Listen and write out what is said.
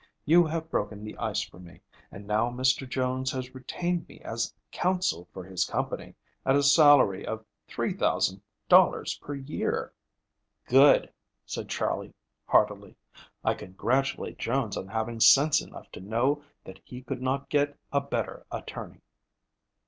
You have broken the ice for me, and now Mr. Jones has retained me as counsel for his company, at a salary of $3,000 per year." "Good," said Charley heartily. "I congratulate Jones on having sense enough to know that he could not get a better attorney."